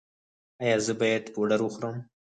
ایا زه باید پوډر وخورم؟